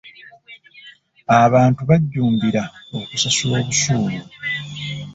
Abantu bajjumbira okusasula obusuulu.